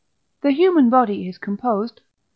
The human body is composed (II.